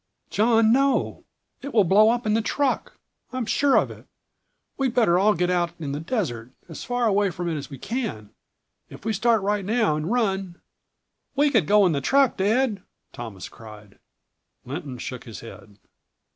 "John, no! It will blow up in the truck. I'm sure of it. We'd better all get out in the desert, as far away from it as we can. If we start right now and run " "We could go in the truck, Dad!" Thomas cried. Lynton shook his head.